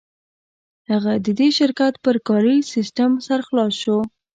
هغه د دې شرکت پر کاري سیسټم سر خلاص شو